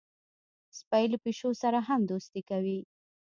سپي له پیشو سره هم دوستي کوي.